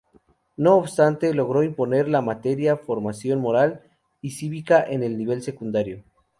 No obstante logró imponer la materia Formación Moral y Cívica en el nivel secundario.